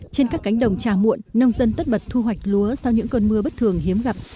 trên các cánh đồng trà muộn nông dân tất bật thu hoạch lúa sau những cơn mưa bất thường hiếm gặp